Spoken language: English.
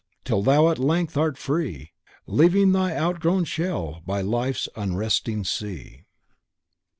Till thou at length art free, Leaving thy outgrown shell by life's unresting sea."